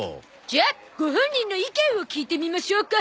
じゃあご本人の意見を聞いてみましょうか。